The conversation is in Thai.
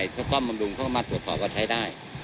ซ่อมบำรุงเขาก็มาตรวจสอบว่าใช้ได้